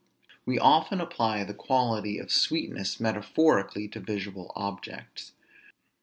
We often apply the quality of sweetness, metaphorically, to visual objects.